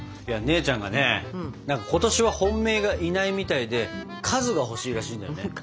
姉ちゃんがね今年は本命がいないみたいで数が欲しいらしいんだよね。